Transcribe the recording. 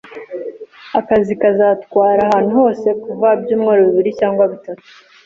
Akazi kazatwara ahantu hose kuva ibyumweru bibiri cyangwa bitatu.